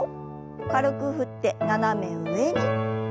軽く振って斜め上に。